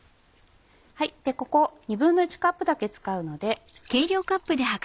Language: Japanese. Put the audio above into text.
ここ１／２カップだけ使うので。